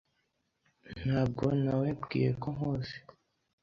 Ntabwo nawebwiye ko nkuzi.